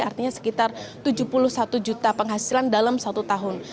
artinya sekitar tujuh puluh satu juta penghasilan dalam satu tahun